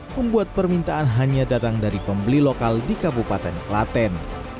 membuat permintaan hanya datang dari pembeli lokal di kabupaten klaten